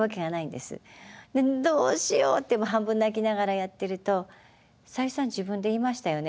で「どうしよう」って半分泣きながらやってると「さゆりさん自分で言いましたよね」